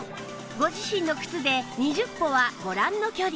ご自身の靴で２０歩はご覧の距離